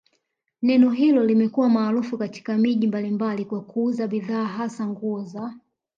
neno hilo limekuwa maarufu katika miji mbalimbali kwa kuuza bidhaa hasa nguo za